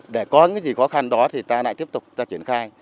để có những gì khó khăn đó thì ta lại tiếp tục ta triển khai